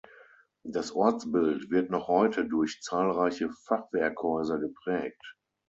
Das Ortsbild wird noch heute durch zahlreiche Fachwerkhäuser geprägt.